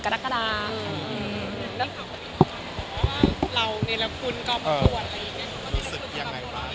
รู้สึกยังไงบ้าง